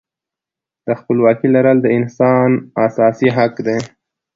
د خپلواکۍ لرل د هر انسان اساسي حق دی.